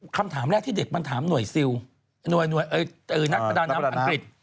คำถามแรกที่เด็กมันถามหน่วยซิลนักประดับอังกฤษ